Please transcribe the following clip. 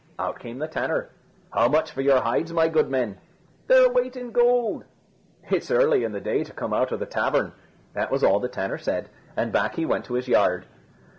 Out came the tanner: "How much for your hides, my good men?" "Their weight in gold." "It's early in the day to come out of the tavern." That was all the tanner said, and back he went to his yard.